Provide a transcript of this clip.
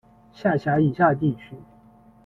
下辖以下地区：。